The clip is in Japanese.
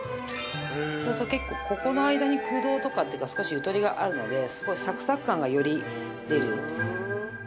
そうすると結構ここの間に空洞とかっていうか少しゆとりがあるのですごいサクサク感がより出る。